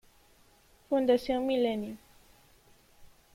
Fundación Milenio.